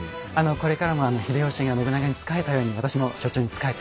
これからも秀吉が信長に仕えたように私も所長に仕えて。